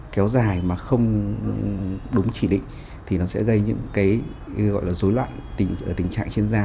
kéo dài mà không đúng chỉ định thì nó sẽ gây những cái gọi là dối loạn tình trạng trên da